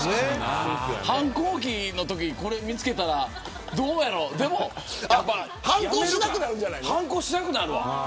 反抗期のときにこれを見つけたら、どうやろ反抗しなくなるわ。